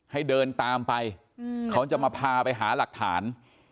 ให้เดินตามไปเขาจะมาพาไปหาหลักฐาน